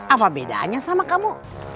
apa bedanya sama kamu